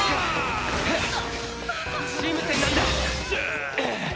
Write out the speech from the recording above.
チーム戦なんだ！